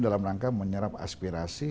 dalam rangka menyerap aspirasi